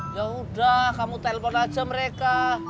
yaudah kamu telepon aja mereka